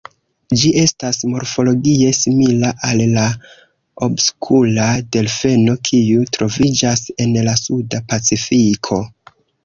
Ĝi estas morfologie simila al la obskura delfeno, kiu troviĝas en la Suda Pacifiko.